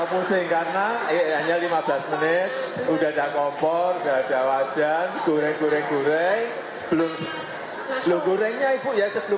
terus saya kesini kedalas saya saya mau bantuan dari pak presiden